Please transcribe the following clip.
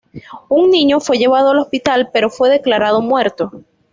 Un niño fue llevado al hospital, pero fue declarado muerto.